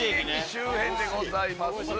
周辺でございます。